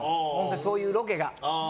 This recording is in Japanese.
そういうロケが。